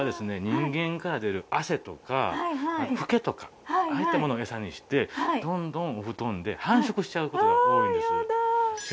人間から出る汗とかフケとかああいったものをエサにしてどんどんお布団で繁殖しちゃう事が多いんです。